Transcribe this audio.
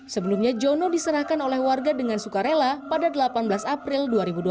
sebelumnya jono diserahkan oleh warga dengan sukarela pada delapan belas april dua ribu dua puluh